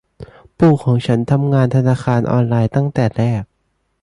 ปู่ของฉันทำงานธนาคารออนไลน์ตั้งแต่แรก